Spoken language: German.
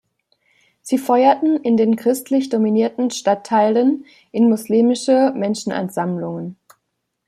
Sie feuerten in den christlich dominierten Stadtteilen in moslemische Menschenansammlungen.